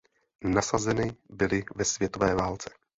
Nasazeny byly ve světové válce.